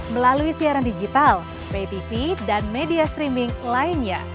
melalui siaran digital pay tv dan media streaming lainnya